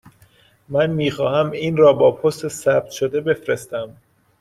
من می خواهم این را با پست ثبت شده بفرستم.